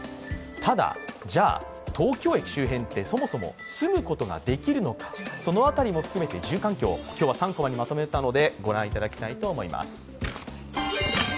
ただ、じゃ東京駅周辺ってそもそも住むことができるのかその辺りも含めて、住環境今日は「３コマ」にまとめたので、ご覧いただきたいと思います。